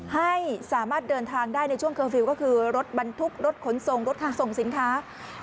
ให้สามารถเดินทางได้ในช่วงเคอร์ฟิลล์ก็คือรถบรรทุกรถขนส่งรถส่งสินค้า